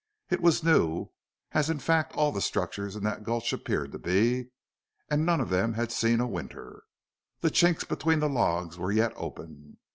It was new, as in fact all the structures in the Gulch appeared to be, and none of them had seen a winter. The chinks between the logs were yet open.